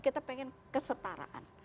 kita pengen kesetaraan